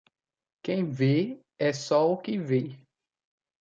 Quem vê é só o que vê